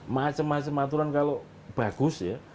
macam macam aturan kalau bagus ya